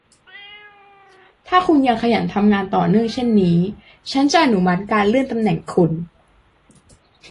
ถ้าคุณยังขยันทำงานต่อเนื่องเช่นนี้ ฉันจะอนุมัติการเลื่อนตำแหน่งคุณ